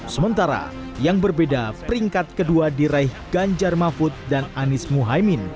sementara yang berbeda peringkat kedua diraih ganjar mahfud dan anies muhaymin